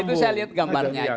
itu saya lihat gambarnya aja